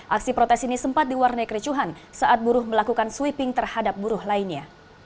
aksi protes ini sempat diwarnai kericuhan saat buruh melakukan sweeping terhadap buruh lainnya